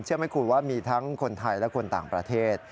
ไหมคุณว่ามีทั้งคนไทยและคนต่างประเทศ